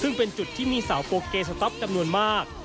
ซึ่งเป็นจุดที่มีเสาโปเกสต๊อปจำนวนมาก